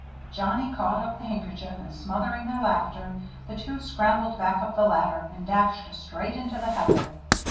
Johnnie caught up the handkerchief, and smothering their laughter, the two scrambled back up the ladder, and dashed straight into the heather.